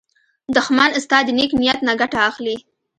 دښمن ستا د نېک نیت نه ګټه اخلي